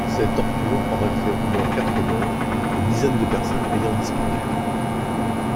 Ces tortures auraient fait au moins quatre morts, des dizaines de personnes ayant disparu.